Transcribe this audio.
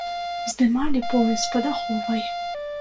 Здымалі пояс пад аховай!